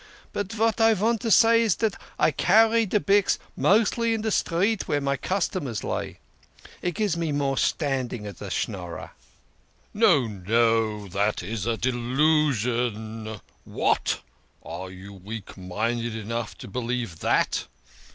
But vat I vant to say is dat I carry de byx mostly in the streets vere my customers lay, and it gives me more standing as a Schnorrer" " No, no, that is a delusion. What ! Are you weak minded enough to believe that?